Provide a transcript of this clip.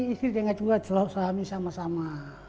istri dengar juga suami sama sama